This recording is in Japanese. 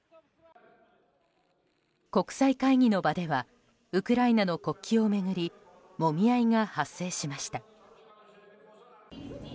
国際会議の場ではウクライナの国旗を巡りもみ合いが発生しました。